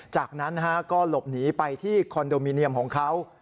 จากนั้นก็หลบหนีไปที่คอนโดมิเนียมของเขา